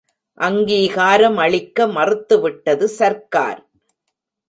அங்கீகாரமளிக்க மறுத்துவிட்டது சர்க்கார்.